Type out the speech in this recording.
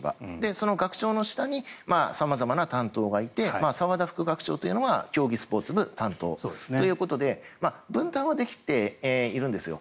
その学長の下に様々な担当がいて澤田副学長というのは競技スポーツ部担当ということで分担はできているんですよ。